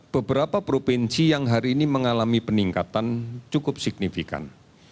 beberapa provinsi yang hari ini mengalami peningkatan cukup signifikan